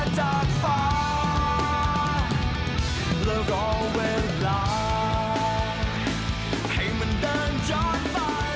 แล้วรอเวลาให้มันเดินจอดฝ่า